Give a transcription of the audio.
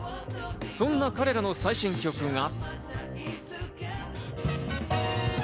そんな彼らの最新曲が。